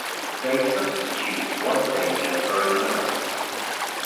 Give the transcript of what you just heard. They substitute one danger for another.